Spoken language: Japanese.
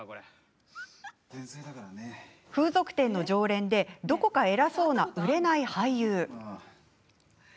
風俗店の常連でどこかえらそうな売れない俳優。